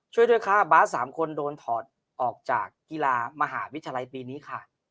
ช่วยด้วยค่ะบาส๓คนโดนถอดออกจากกีฬามหาวิทยาลัยปีนี้ค่ะ